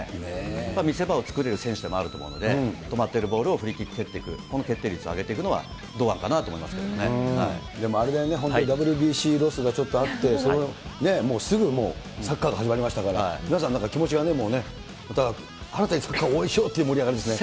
やっぱり見せ場を作れる選手でもあると思うので、止まってるボールをフリーで蹴っていく、この決定率を上げていくでもあれだよね、本当にＷＢＣロスがちょっとあって、もうすぐサッカーが始まりましたから、皆さん、なんか気持ちがね、また新たにサッカー応援しようって気持ちもありますかね。